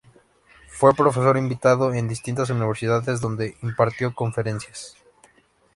Fue profesor invitado en distintas universidades donde impartió conferencias.